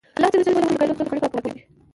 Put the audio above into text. الله ج د ټولو کایناتو خالق او پیدا کوونکی دی .